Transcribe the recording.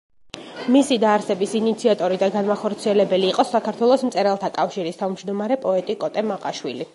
მისი დაარსების ინიციატორი და განმახორციელებელი იყო საქართველოს მწერალთა კავშირის თავმჯდომარე, პოეტი კოტე მაყაშვილი.